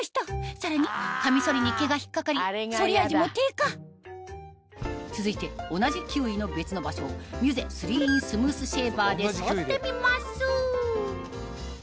さらにカミソリに毛が引っ掛かり剃り味も低下続いて同じキウイの別の場所をミュゼ３ｉｎスムースシェーバーで剃ってみます